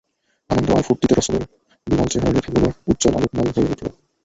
আনন্দ আর ফুর্তিতে রাসূলের বিমল চেহারার রেখাগুলো উজ্জ্বল আলোকময় হয়ে উঠল।